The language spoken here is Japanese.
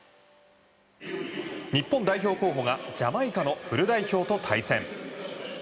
日本代表候補がジャマイカのフル代表と対戦。